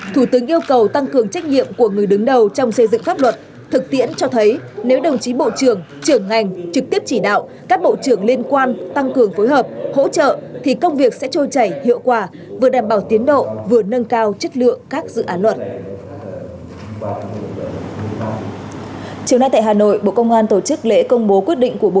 thủ tướng yêu cầu tăng cường trách nhiệm của người đứng đầu trong xây dựng pháp luật thực tiễn cho thấy nếu đồng chí bộ trưởng trưởng ngành trực tiếp chỉ đạo các bộ trưởng liên quan tăng cường phối hợp hỗ trợ thì công việc sẽ trôi chảy hiệu quả vừa đảm bảo tiến độ vừa nâng cao chất lượng các dự án luật